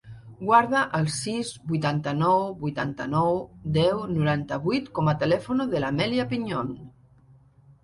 Guarda el sis, vuitanta-nou, vuitanta-nou, deu, noranta-vuit com a telèfon de l'Amèlia Piñon.